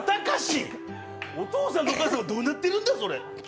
お父さんとお母さんはどうなってるんだ、それは！